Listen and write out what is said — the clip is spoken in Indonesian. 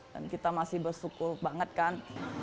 dan kita masih bersyukur banget kan